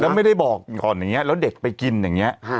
แล้วไม่ได้บอกก่อนอย่างนี้แล้วเด็กไปกินอย่างนี้